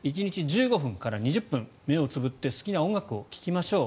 １日１５分から２０分目をつぶって好きな音楽を聴きましょう。